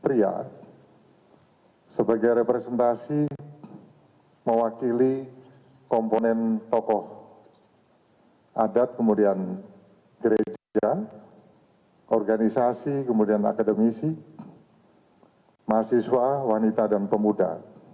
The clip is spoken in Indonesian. pria sebagai representasi mewakili komponen tokoh adat kemudian gereja organisasi kemudian akademisi mahasiswa wanita dan pemuda